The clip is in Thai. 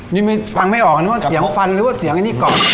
นี่ไม่ฟังไม่ออกนะว่าเสียงฟันหรือว่าเสียงอันนี้ก่อน